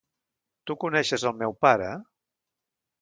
Tu coneixes el meu pare?